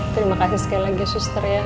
terima kasih sekali lagi suster ya